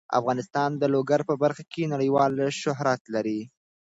افغانستان د لوگر په برخه کې نړیوال شهرت لري.